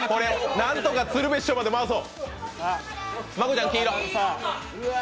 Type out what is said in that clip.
なんとか鶴瓶師匠まで回そう！